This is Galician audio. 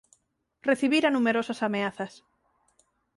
Recibira numerosas ameazas.